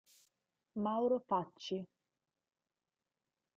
Mauro Facci